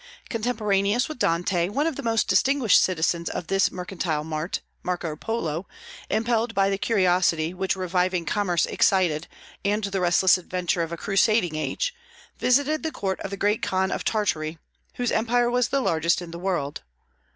Contemporaneous with Dante, one of the most distinguished citizens of this mercantile mart, Marco Polo, impelled by the curiosity which reviving commerce excited and the restless adventure of a crusading age, visited the court of the Great Khan of Tartary, whose empire was the largest in the world.